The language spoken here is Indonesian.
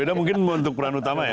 tidak mungkin untuk peran utama ya